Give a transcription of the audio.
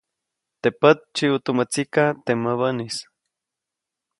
Teʼ pät dsyiʼu tumä tsikaʼ, teʼ mäbäʼnis.